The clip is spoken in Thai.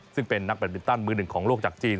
ซึ่งเป็นนักแบตมินตันมือหนึ่งของโลกจากจีน